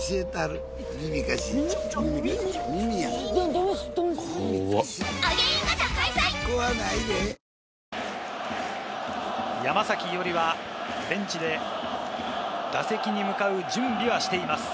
夏が香るアイスティー山崎伊織はベンチで打席に向かう準備はしています。